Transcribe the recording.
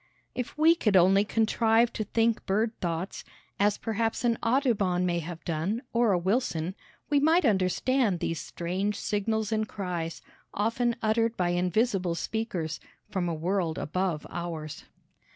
If we could only contrive to think bird thoughts, as perhaps an Audubon may have done, or a Wilson, we might understand these strange signals and cries, often uttered by invisible speakers from a world above ours.